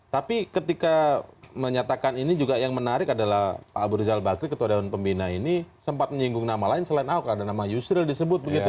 tapi ketika menyatakan ini juga yang menarik adalah pak abu rizal bakri ketua dewan pembina ini sempat menyinggung nama lain selain ahok ada nama yusril disebut begitu